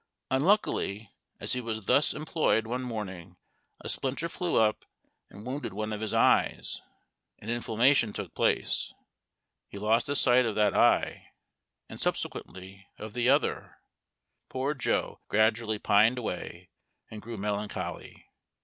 Unluckily, as he was thus employed one morning a splinter flew up and wounded one of his eyes. An inflammation took place; he lost the sight of that eye, and subsequently of the other. Poor Joe gradually pined away, and grew melancholy.